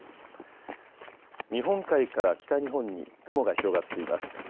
日本海から北日本に雲が広がっています。